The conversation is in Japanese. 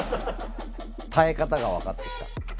耐え方が分かってきた。